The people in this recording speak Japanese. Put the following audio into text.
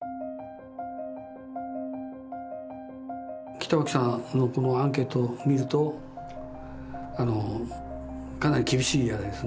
北脇さんのこのアンケートを見るとかなり厳しいあれですね